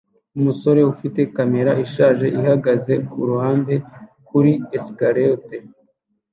Umusore ufite kamera ishaje ihagaze kuruhande kuri escalator